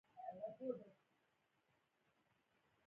ګرام مثبت بکټریاوې لاندې اجزا لري.